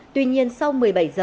tuy nhiên sau một mươi bảy h